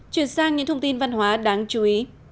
chuyển sang những thông tin văn hóa đáng chú ý